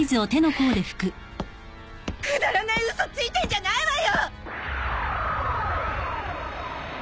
くだらない嘘ついてんじゃないわよ！